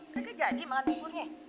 gak jadi makan buburnya